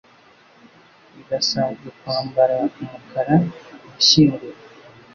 Birasanzwe kwambara umukara gushyingura.